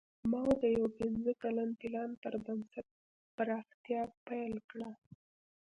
ماوو د یو پنځه کلن پلان پر بنسټ پراختیا پیل کړه.